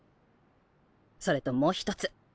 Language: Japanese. それともう一つ。